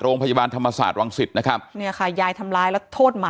โรงพยาบาลธรรมศาสตร์วังศิษย์นะครับเนี่ยค่ะยายทำร้ายแล้วโทษหมา